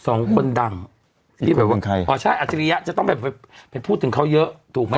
สองคนดังที่แบบว่าใครอ๋อใช่อัจฉริยะจะต้องไปไปพูดถึงเขาเยอะถูกไหม